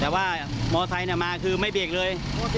แต่ว่ามอไซค์มาคือไม่เบรกเลย